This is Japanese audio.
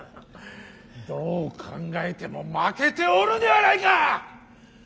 どう考えても負けておるではないか！